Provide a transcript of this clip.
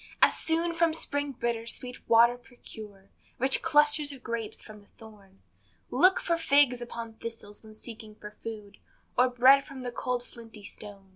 As soon from spring bitter, sweet water procure, Rich clusters of grapes from the thorn; Look for figs upon thistles, when seeking for food, Or bread from the cold flinty stone.